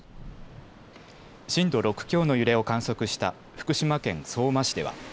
震度６強の揺れを観測した福島県相馬市では。